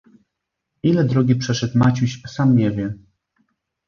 "Ile drogi przeszedł Maciuś, sam nie wie."